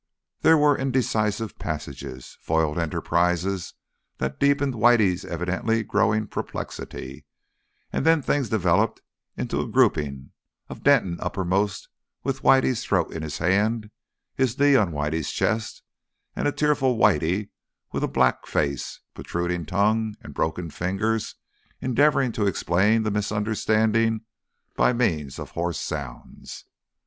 There were indecisive passages, foiled enterprises that deepened Whitey's evidently growing perplexity; and then things developed into a grouping of Denton uppermost with Whitey's throat in his hand, his knee on Whitey's chest, and a tearful Whitey with a black face, protruding tongue and broken finger endeavouring to explain the misunderstanding by means of hoarse sounds.